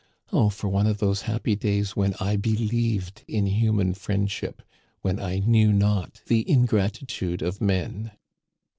Oh, for one of those happy days when I be lieved in human friendship, when I knew not the in gratitude of men